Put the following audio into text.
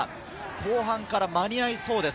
後半から間に合いそうです。